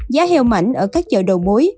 giá heo mảnh ở các chợ đầu mối